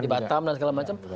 di batam dan segala macam